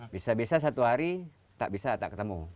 bisa bisa satu hari tak bisa tak ketemu